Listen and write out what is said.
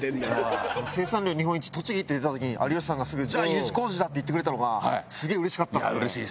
生産量日本一栃木って出た時に有吉さんがすぐ「じゃあＵ字工事だ」って言ってくれたのがすげえうれしかったんで。